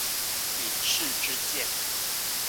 引誓之劍